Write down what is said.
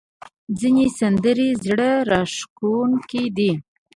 ځینې سندرې زړه راښکونکې دي.